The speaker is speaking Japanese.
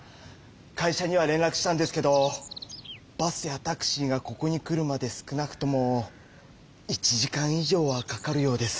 会社には連らくしたんですけどバスやタクシーがここに来るまで少なくとも１時間以上はかかるようです。